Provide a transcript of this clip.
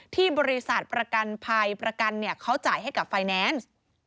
ที่บริษัทประกันภัยประกันเขาจ่ายให้กับไฟแนนซ์